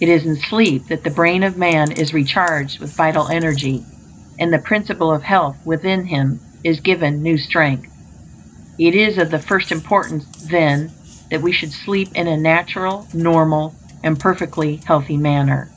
It is in sleep that the brain of man is recharged with vital energy, and the Principle of Health within him is given new strength. It is of the first importance, then, that we should sleep in a natural, normal, and perfectly healthy manner.